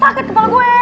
sakit kepala gue